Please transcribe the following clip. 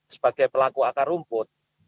sebagai pelaku akar rumput